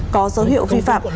có dấu hiệu vi phạm